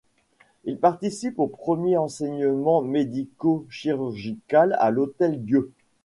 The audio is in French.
Il participe au premier enseignement médico-chirurgical à l'Hôtel-Dieu.